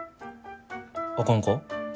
あかんか？